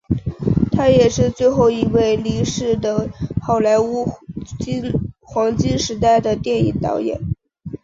他也是最后一位离世的好莱坞黄金时代电影导演。